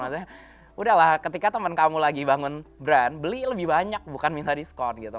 maksudnya udahlah ketika teman kamu lagi bangun brand beli lebih banyak bukan minta diskon gitu